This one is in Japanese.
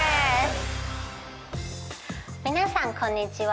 皆さんこんにちは。